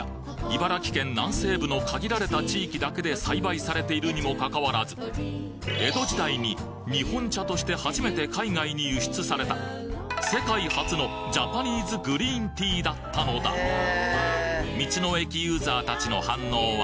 茨城県南西部の限られた地域だけで栽培されているにもかかわらず江戸時代に日本茶として初めて海外に輸出された世界初のジャパニーズグリーンティーだったのだそうよ。